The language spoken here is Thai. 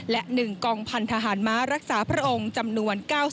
และ๑กองพันธหารม้ารักษาพระองค์จำนวน๙๐